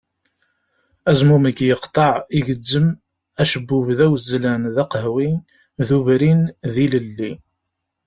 Azmumeg yeqḍeɛ igezzem, acebbub d awezzlan d aqehwi d ubrin, d ilelli.